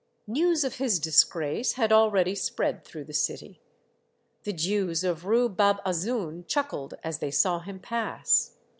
News of his disgrace had already spread through the city. The Jews of Rue Bab Azoun chuckled as they saw him pass.